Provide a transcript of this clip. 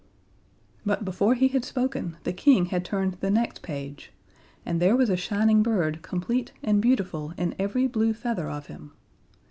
But before he had spoken, the King had turned the next page, and there was a shining bird complete and beautiful in every blue feather of him.